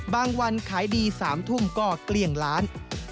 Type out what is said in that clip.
วันขายดี๓ทุ่มก็เกลี้ยงล้าน